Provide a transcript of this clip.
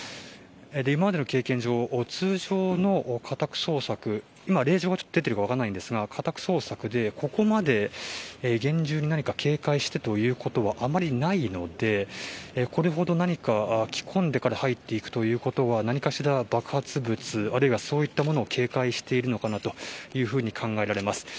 今までの経験上通常の家宅捜索では令状が出ているか分かりませんがここまで厳重に何かを警戒してということはあまりないのでこれほど着込んでから入っていくというのは何かしら爆発物、あるいはそういったものを警戒しているのかなと考えられます。